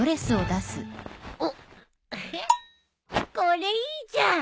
これいいじゃん！